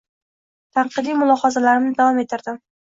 Tanqidiy mulohazalarimni davom ettirdim.